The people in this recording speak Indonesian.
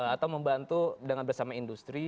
atau membantu dengan bersama industri